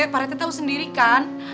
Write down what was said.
pak r t tahu sendiri kan